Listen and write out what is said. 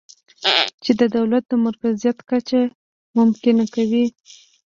چې د دولت د مرکزیت کچه ممکنه کوي